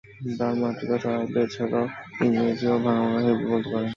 তার মাতৃভাষা আরবি, এছাড়াও ইংরেজি ও ভাঙা ভাঙা হিব্রু বলতে পারেন।